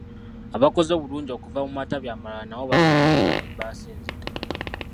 Abaakoze obulungi okuva mu matabi amalala nabo baasiimiddwa n'ebbaasa enzito.